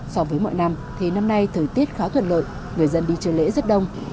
so với mọi năm thì năm nay thời tiết khá thuận lợi người dân đi chơi lễ rất đông